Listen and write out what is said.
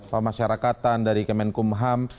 pemasyarakatan dari kemenkumham